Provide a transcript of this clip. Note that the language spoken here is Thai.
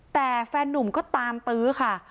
แต่แฟนนุ่มก็ตามตื้อค่ะ